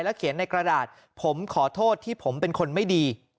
เขียนในกระดาษผมขอโทษที่ผมเป็นคนไม่ดี